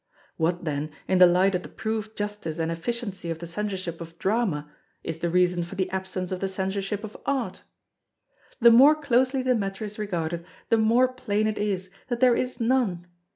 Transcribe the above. What, then, in the light of the proved justice and efficiency of the Censorship of Drama, is the reason for the absence of the Censorship of Art? The more closely the matter is regarded, the more plain it is, that there is none!